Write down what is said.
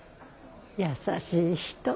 優しい人。